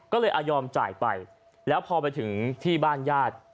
ก็เลยยอมจ่ายไปแล้วพอไปถึงที่บ้านญาติ